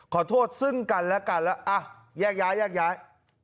ขอโทษซึ่งกันและกันแล้วอ่ะแยกย้ายแยกย้าย